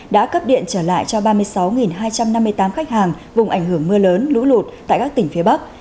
đã cấp điện trở lại cho ba mươi sáu hai trăm năm mươi tám khách hàng vùng ảnh hưởng mưa lớn lũ lụt tại các tỉnh phía bắc